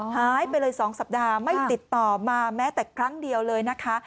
หายไปเลย๒สัปดาห์ไม่ติดต่อมาแม้แต่ครั้งเดียวเลยนะคะ